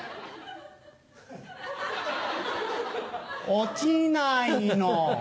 落ちないの。